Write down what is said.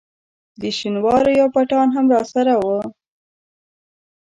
د شینوارو یو پټان هم راسره وو.